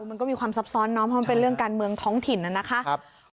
มันก็มีความซับซ้อนเนาะเพราะมันเป็นเรื่องการเมืองท้องถิ่นน่ะนะคะ